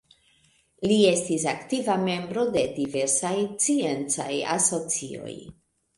Li estis aktiva membro de diversaj sciencaj asocioj.